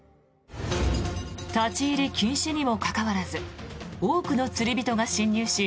立ち入り禁止にもかかわらず多くの釣り人が侵入し